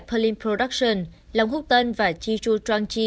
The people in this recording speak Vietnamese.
perlin production long húc tân và chi chu trang chi